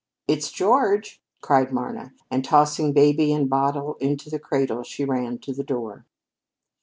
"It's George!" cried Marna; and tossing baby and bottle into the cradle, she ran to the door.